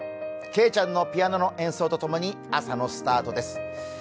けいちゃんのピアノの演奏と共に朝のスタートです。